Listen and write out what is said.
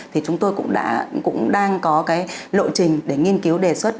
thì chúng tôi cũng đang có cái lộ trình để nghiên cứu đề xuất